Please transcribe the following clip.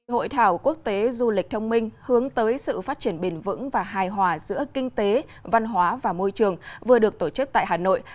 hội thảo quốc tế du lịch thông minh hướng tới sự phát triển bền vững và hài hòa giữa kinh tế văn hóa và môi trường vừa được tổ chức tại hà nội